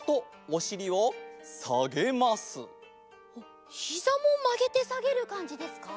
おっひざもまげてさげるかんじですか？